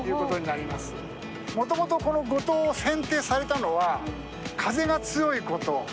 もともとこの五島を選定されたのは風が強いこと。